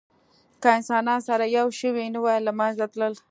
که انسانان سره یو شوي نه وی، له منځه تلل.